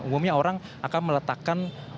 umumnya orang akan meletakkan